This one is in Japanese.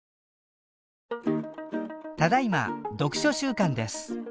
ただいま読書週間です。